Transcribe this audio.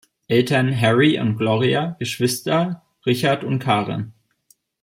Eltern Harry und Gloria, Geschwister Richard und Karen.